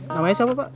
namanya siapa pak